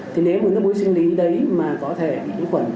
thế nếu nước mũi sinh lý đấy mà có thể bị nhiễm khuẩn